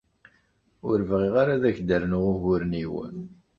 Ur bɣiɣ ara ad ak-d-rnuɣ uguren-iw.